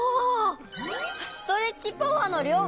ストレッチパワーのりょうがわかるんだね。